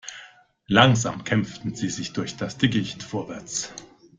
Langsam kämpften sie sich durch das Dickicht vorwärts.